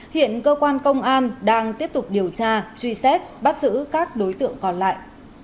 hiện cơ quan công an đang tiếp tục điều tra truy xét bắt giữ các đối tượng còn lại